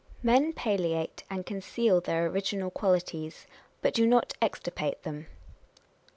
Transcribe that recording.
Men palliate and conceal their original qualities, but do not extirpate them.